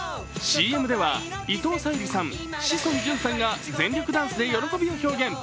ＣＭでは伊藤沙莉さん、志尊淳さんが全力ダンスで喜びを表現。